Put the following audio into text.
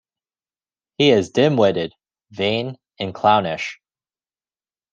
He is dim-witted, vain and clownish.